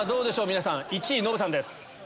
皆さん１位ノブさんです。